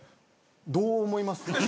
どう思います？